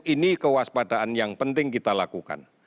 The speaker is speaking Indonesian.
ini kewaspadaan yang penting kita lakukan